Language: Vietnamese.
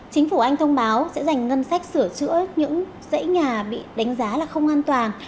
chính phủ anh thông báo sẽ dành ngân sách sửa chữa những dãy nhà bị đánh giá là không an toàn